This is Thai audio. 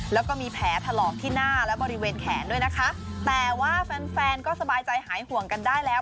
แล้วก็มีแผลถลอกที่หน้าและบริเวณแขนด้วยนะคะแต่ว่าแฟนแฟนก็สบายใจหายห่วงกันได้แล้ว